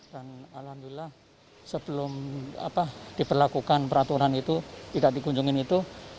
dan alhamdulillah sebelum diperlakukan peraturan itu tidak dikunjungin itu